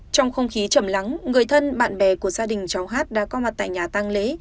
trong không khí chầm lắng người thân bạn bè của gia đình cháu hát đã có mặt tại nhà tăng lễ